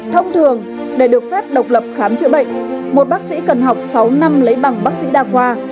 thông thường để được phép độc lập khám chữa bệnh một bác sĩ cần học sáu năm lấy bằng bác sĩ đa khoa